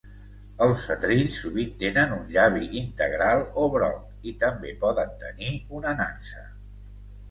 Els setrills sovint tenen un llavi integral o broc, i també poden tenir una nansa.